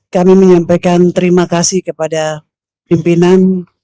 kami menyampaikan terima kasih kepada pimpinan